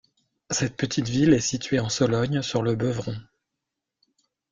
Cette petite ville est située en Sologne sur le Beuvron.